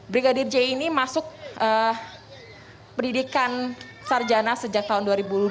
brigadir j ini masuk pendidikan sarjana sejak tahun dua ribu dua belas